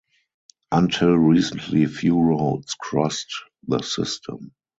Until recently few roads crossed the system.